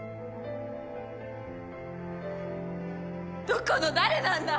どこの誰なんだ？